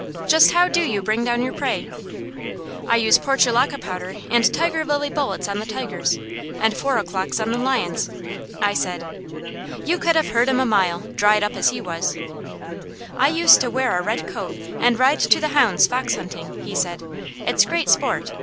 Just how to you bring down your prey?" "I use portulaca powder and tiger lily bullets on the tigers, and four o'clocks on the lions," I said. You could have heard him a mile, dried up as he was. "I used to wear a red coat and ride to the hounds fox hunting," he said. "It's great sport.